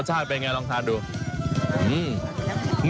รสชาติเป็นไงลองทานดู